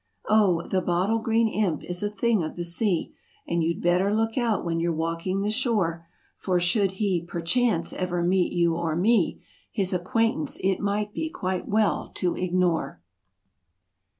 O, the Bottle Green Imp is a thing of the sea, And you'd better lookout when you're walking the shore, For should he, perchance, ever meet you or me, His acquaintance, it might be quite well to ignore.